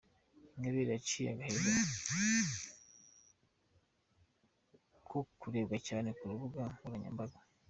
Ingabire yaciye agahigo ko kurebwa cyane kurubuga nkoranya mbaga